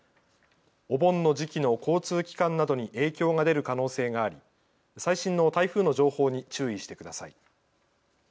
お盆の時期の交通機関などに影響が出る可能性があり、最新の台風の情報に注意してください。